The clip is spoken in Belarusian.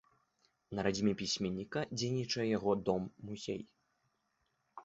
На радзіме пісьменніка дзейнічае яго дом-музей.